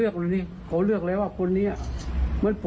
ผู้ใจอยู่บ้านทำไมไม่ได้เลือก